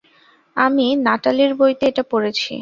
আমি নাটালির বইতে এটা পড়েছি।